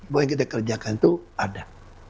bahwa yang kita kerjakan itu ada